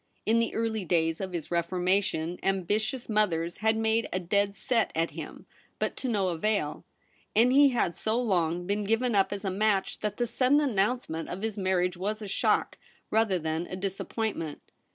In the early days of his reformation ambitious mothers had made a dead set at him, but to no avail ; and he had so long been given up as a match that the sudden announcement of his marriage was a shock, rather than a dis appointment.